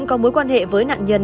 có mối quan hệ với nạn nhân